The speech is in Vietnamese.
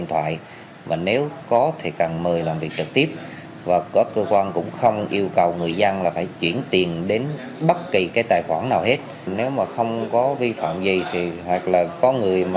hoặc là có người mà gọi